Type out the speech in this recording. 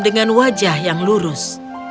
dengan wajah yang lurus